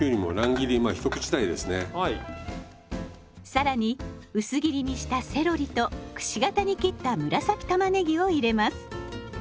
更に薄切りにしたセロリとくし形に切った紫たまねぎを入れます。